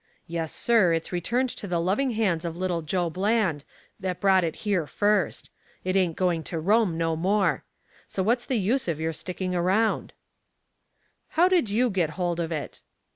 Yes, sir, it's returned to the loving hands of little Joe Bland, that brought it here first. It ain't going to roam no more. So what's the use of your sticking around?" "How did you get hold of it?"